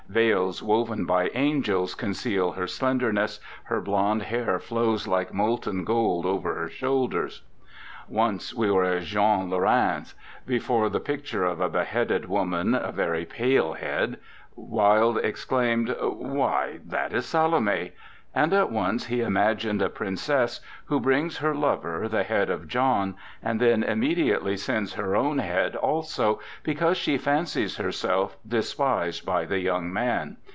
Veils woven by angels conceal her slenderness, her blond hair flows like molten gold over her shoulders. ..." Once we were at Jean Lor rain's. Before the picture of a beheaded woman, a very pale head, Wilde exclaimed, "Why, that is Salome!" And at once he imagined a princess who brings her lover the head of John, and then immediately sends her own head also, because she fancies herself despised by the young man.